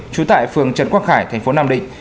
chú tại phường trần quang khải tp nam định